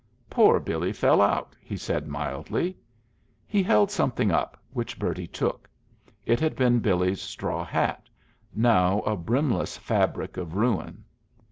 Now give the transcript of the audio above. "Poor Billy fell out," he said mildly. He held something up, which Bertie took. It had been Billy's straw hat, now a brimless fabric of ruin.